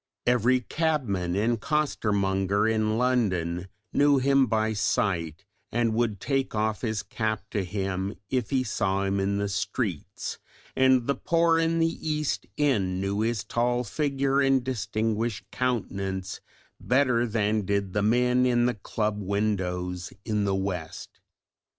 Every cabman and costermonger in London knew him by sight and would take off his cap to him if he saw him in the streets, and the poor in the East End knew his tall figure and distinguished countenance better than did the men in the club windows in the West.